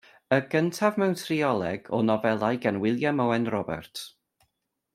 Y gyntaf mewn trioleg o nofelau gan Wiliam Owen Roberts.